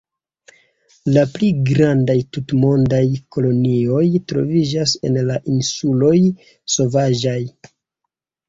La pli grandaj tutmondaj kolonioj troviĝas en la insuloj Sovaĝaj.